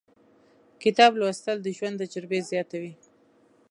• کتاب لوستل، د ژوند تجربې زیاتوي.